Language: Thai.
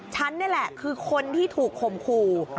ฉันนี่แหละคือคนที่ถูกข่มขู่